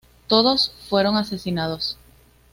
Todos fueron asesinados.